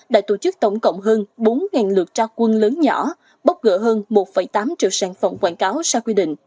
đã tổ chức tổng cộng hơn bốn lượt tra quân lớn nhỏ bóc gỡ hơn một tám triệu sản phẩm quảng cáo sai quy định